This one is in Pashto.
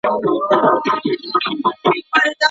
آیا وچي مېوې په ځانګړو کڅوړو کي اچول کېږي؟.